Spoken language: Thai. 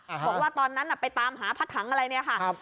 อ่าฮะบอกว่าตอนนั้นน่ะไปตามหาพัดถังอะไรเนี้ยค่ะครับ